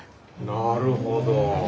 なるほど。